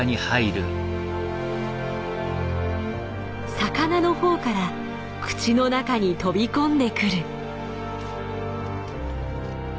魚のほうから口の中に飛び込んでくる。